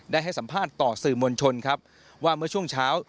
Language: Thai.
ให้สัมภาษณ์ต่อสื่อมวลชนครับว่าเมื่อช่วงเช้า